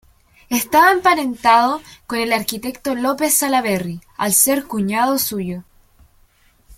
Estaba emparentado con el arquitecto López Salaberry, al ser cuñado suyo.